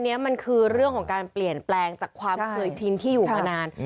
อันนี้มันคือเรื่องของการเปลี่ยนแปลงจากความเคยชินที่อยู่มานาน